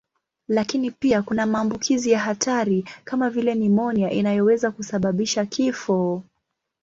Lakini pia kuna maambukizi ya hatari kama vile nimonia inayoweza kusababisha kifo.